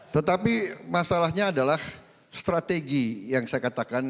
tetapi masalahnya adalah strategi yang saya katakan